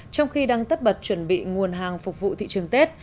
trong khi đang tất bật chuẩn bị nguồn hàng phục vụ thị trường tết